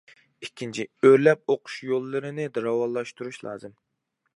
ئىككىنچى، ئۆرلەپ ئوقۇش يوللىرىنى راۋانلاشتۇرۇش لازىم.